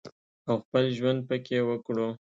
او خپل ژوند پکې وکړو